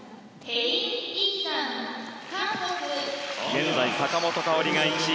現在、坂本花織が１位。